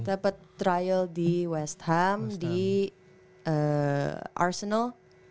dapat trial di west ham di arsenal